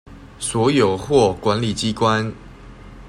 所有或管理機關